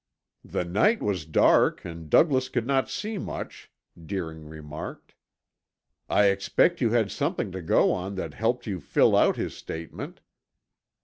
"The night was dark and Douglas could not see much," Deering remarked. "I expect you had something to go on that helped you fill out his statement."